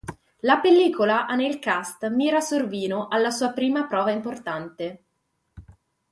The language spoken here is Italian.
La pellicola ha nel cast Mira Sorvino alla sua prima prova importante.